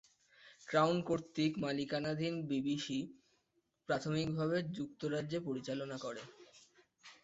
Crown কর্তৃক মালিকানাধীন, BBC প্রাথমিকভাবে যুক্তরাজ্যে পরিচালনা করে।